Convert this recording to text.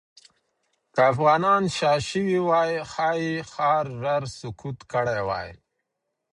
که افغانان شا شوې وای، ښایي ښار ژر سقوط کړی وای.